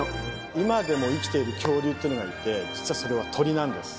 今でも生きている恐竜っていうのがいて実はそれは鳥なんです。